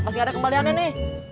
masih ada kembalian ini